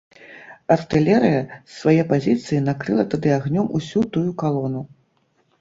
Артылерыя з свае пазіцыі накрыла тады агнём усю тую калону.